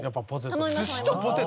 寿司とポテト？